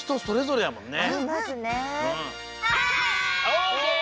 オッケー！